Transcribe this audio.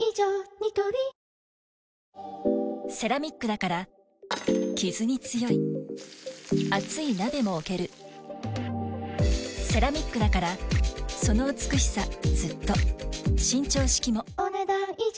ニトリセラミックだからキズに強い熱い鍋も置けるセラミックだからその美しさずっと伸長式もお、ねだん以上。